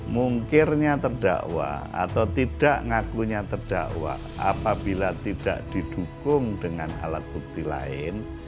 mungkirnya terdakwa atau tidak ngakunya terdakwa apabila tidak didukung dengan alat bukti lain